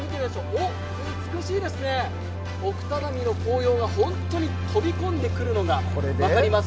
おっ、美しいですね、奥只見の紅葉が飛び込んでくるのが分かります。